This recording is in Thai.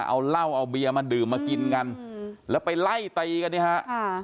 เอาเหล้าเอาเบียร์มาดื่มมากินกันอืมแล้วไปไล่ตีกันเนี่ยฮะ